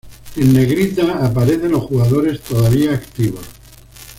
En negrita aparecen los jugadores todavía activos.